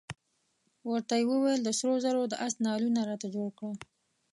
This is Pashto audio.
ورته یې وویل د سرو زرو د آس نعلونه راته جوړ کړه.